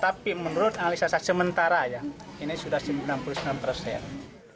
tapi menurut analisa sementara ya ini sudah sembilan puluh sembilan persen